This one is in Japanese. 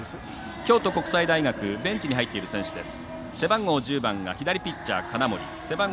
京都国際ベンチに入っている選手です。